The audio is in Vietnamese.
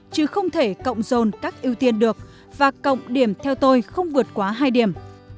chứ không thể cộng dồn các ưu tiên được và cộng điểm theo tôi không vượt quá hai điểm